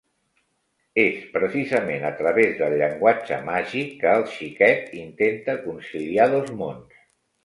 És, precisament, a través del llenguatge màgic que el xiquet intenta conciliar dos mons.